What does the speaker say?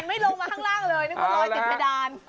ไม่ลองมาข้างล่างเลย